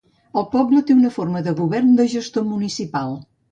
El poble té una forma de govern de gestor municipal.